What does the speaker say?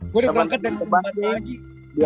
gue udah berangkat dari jepang pagi